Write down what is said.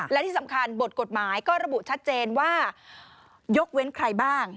และที่สำคัญบทกฎหมายก็ระบุชัดเจนว่ายกเว้นใครบ้าง